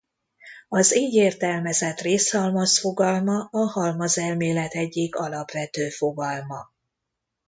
Az így értelmezett részhalmaz fogalma a halmazelmélet egyik alapvető fogalma.